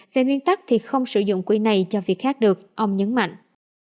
về nguyên tắc thì không sử dụng quỹ này cho việc khác được ông nhấn mạnh